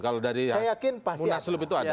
kalau dari munaslup itu ada